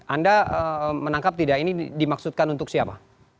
anda menangkap tidak ini dimaksudkan untuk siapa